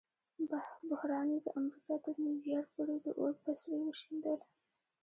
بحران یې د امریکا تر نیویارک پورې د اور بڅري وشیندل.